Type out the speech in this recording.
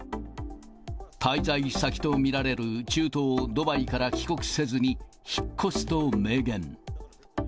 滞在先と見られる中東ドバイから帰国せずに引っ越すと明言。